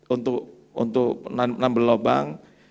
untuk menambah lubang